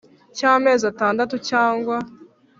Cy amezi atandatu cyangwa